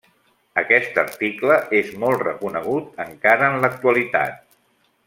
Aquest article és molt reconegut encara en l'actualitat.